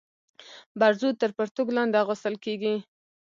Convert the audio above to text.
برزو تر پرتوګ لاندي اغوستل کيږي.